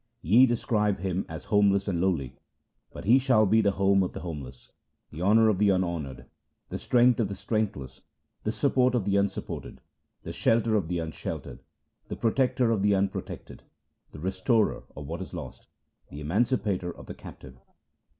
Ye describe him as homeless and lowly, but he shall be the home of the homeless, the honour of the unhonoured, the strength of the strengthless, the support of the unsupported, the shelter of the unsheltered, the protector of the unprotected, the restorer of what is lost, the emancipator of the captive.'